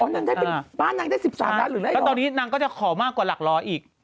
นางได้เป็นบ้านนางได้๑๓ล้านหรือไม่ตอนนี้นางก็จะขอมากกว่าหลักร้อยอีก